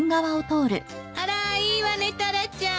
あらいいわねタラちゃん。